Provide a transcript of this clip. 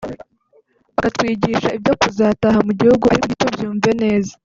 akatwigisha ibyo kuzataha mu gihugu ariko ntitubyumve neza